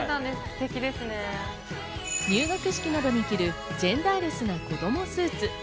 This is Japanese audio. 入学式などに着るジェンダーレスな子供スーツ。